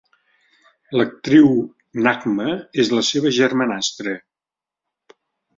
L'actriu Nagma és la seva germanastra.